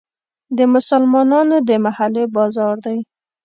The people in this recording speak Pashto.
د مسلمانانو د محلې بازار دی.